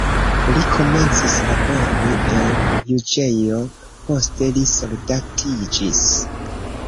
Li komencis labori en juĝejo, poste li soldatiĝis.